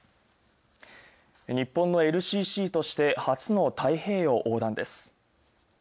日本のＬＣＣとして初の太平洋横断です。